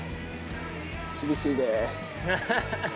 厳しいで。